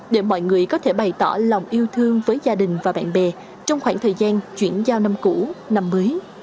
để mọi người có thể bày tỏ lòng yêu thương với gia đình và bạn bè trong khoảng thời gian chuyển giao năm cũ năm mới